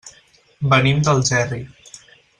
Venim d'Algerri.